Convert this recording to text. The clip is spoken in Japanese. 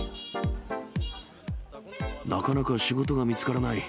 なかなか仕事が見つからない。